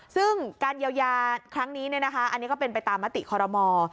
ซึ่งการเยียวยาครั้งนี้อันนี้ก็เป็นไปตามมติคอรมอล